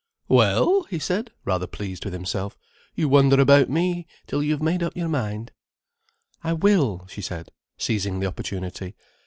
"Well," he said, rather pleased with himself, "you wonder about me till you've made up your mind—" "I will—" she said, seizing the opportunity.